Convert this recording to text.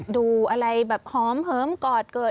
ดูอะไรแบบหอมเหิมกอดเกิด